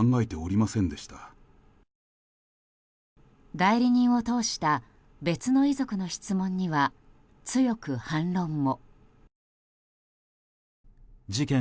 代理人を通した別の遺族の質問には強く反論も。